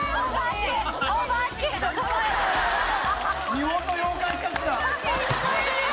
日本の妖怪シャツだ。